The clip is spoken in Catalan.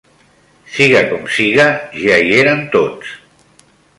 Siga com siga, ja hi eren tots.